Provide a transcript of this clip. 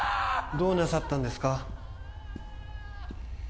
どうなさったんですか？